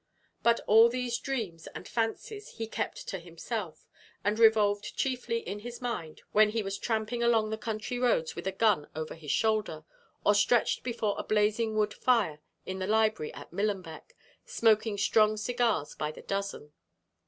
But all these dreams and fancies he kept to himself, and revolved chiefly in his mind when he was tramping along the country roads with a gun over his shoulder, or stretched before a blazing wood fire in the library at Millenbeck smoking strong cigars by the dozen.